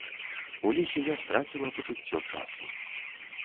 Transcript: У лесе я страціла пачуццё часу.